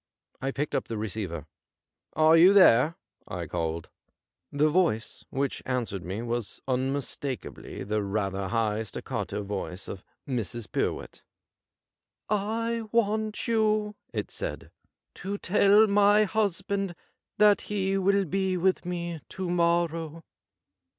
I picked up the receiver. ' Are you there }' I called. The voice which answered me was unmistakably the rather high staccato voice of Mrs. Pyrwhit. ' I want you,' it said, ' to tell my husband that he will be with me to morrow.'